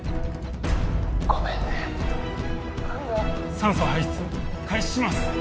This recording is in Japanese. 酸素排出開始します。